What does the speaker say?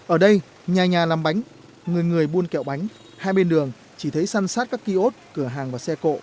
ở đây nhà nhà làm bánh người người buôn kẹo bánh hai bên đường chỉ thấy săn sát các kiosk cửa hàng và xe cộ